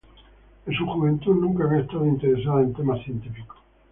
En su juventud, nunca había estado interesada en temas científicos.